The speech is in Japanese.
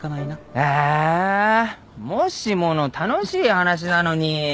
えーもしもの楽しい話なのに。